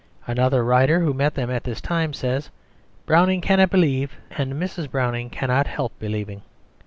Another writer who met them at this time says, "Browning cannot believe, and Mrs. Browning cannot help believing."